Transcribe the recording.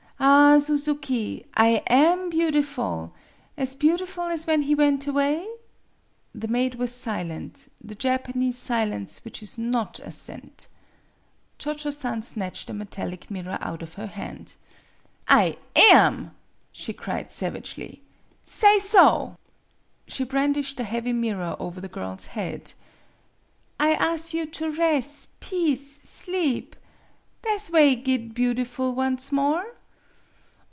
" Ah, Suzuki ! I am beautiful as beautiful as when he went away ?" The maid was silent the Japanese silence which is not assent. Cho Cho San snatched the metallic mirror out of her hand. " I am !" she cried savagely. " Say so! " 7 o MADAME BUTTERFLY She brandished the heavy mirror over the girl's head. " I as' you to res' peace sleep. Tha' 's way git beautiful once more."